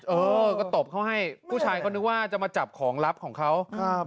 เออก็ตบเขาให้ผู้ชายเขานึกว่าจะมาจับของลับของเขาครับ